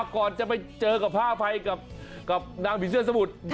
ก่อนจะไปเจอกับพระอภัยกับนางผีเสื้อสมุทร